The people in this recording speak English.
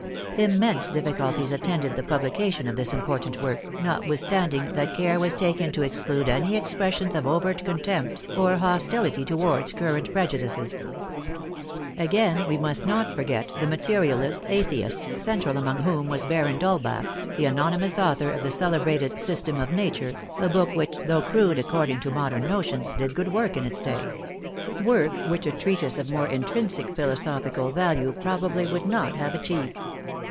Immense difficulties attended the publi cation of this important work, notwithstanding that care was taken to exclude any expressions of overt contempt or hostility towards current prejudices. Again, we must THE LITERARY PROLOGUE S not forget the Materialist Atheists, central among whom was Baron d'Holbach, the anonymous author of the cele brated System of Nature, a book which, though crude ac cording to modern notions, did good work in its day — work which a treatise of more intrinsic philosophical value probably would not have achieved.